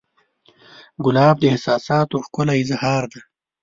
ګلاب د احساساتو ښکلی اظهار دی.